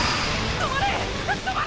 止まれ！